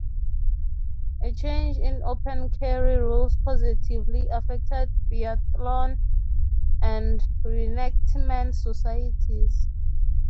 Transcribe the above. A change in open carry rules positively affected biathlon and reenactment societies.